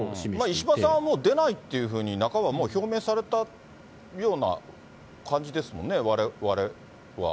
石破さんはもう出ないっていうふうに、半ば表明されたような感じですもんね、われわれは。